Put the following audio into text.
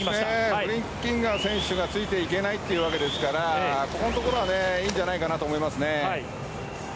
フリッキンガー選手がついていけないわけですからここのところはいいんじゃないかと思いますね。